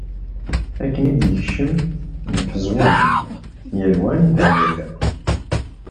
Akken i d-yekcem, mfezwan. Yal wa anda yerra.